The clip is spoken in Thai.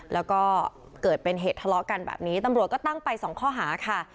แล้วก็เกิดเป็นเหตุทะเลาะกันแบบนี้ตำรวจก็ตั้งไปสองข้อหาค่ะ